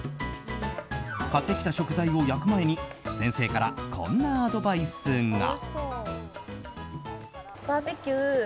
買ってきた食材を焼く前に先生からこんなアドバイスが。